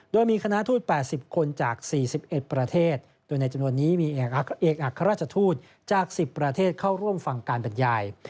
โดยมีคณะทูต๘๐คนจาก๔๑ประเทศโดยในจำนวนนี้มีเอกอัครราชทูตจาก๑๐ประเทศเข้าร่วมฟังการบรรยาย